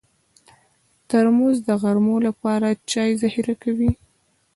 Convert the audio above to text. ترموز د غرمو لپاره چای ذخیره کوي.